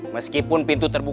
gak ada yang kabur